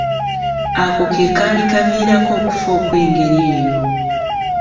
Ako ke kaali kaviirako okufa okw’engeri eyo.